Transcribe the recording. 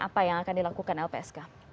apa yang akan dilakukan lpsk